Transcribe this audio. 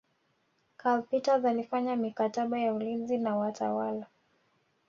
Karl Peters alifanya mikataba ya ulinzi na watawala